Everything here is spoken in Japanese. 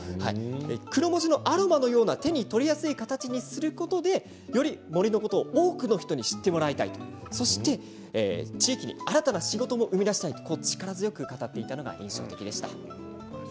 クロモジのアロマのような手に取りやすい形にすることでより森のことを多くの人に知ってもらいたい、そして地域に新たな仕事も生み出したいと力強く語っていたのが印象的でした。